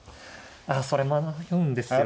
ああそれも迷うんですよ。